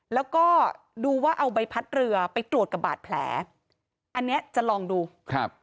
แล้วก็ดูว่าเอาใบพัดเรือไปตรวจกับบาดแผลอันเนี้ยจะลองดูครับ